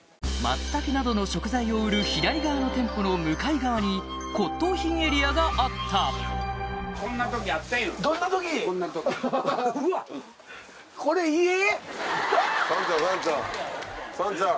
松茸などの食材を売る左側の店舗の向かい側に骨董品エリアがあったうわっ！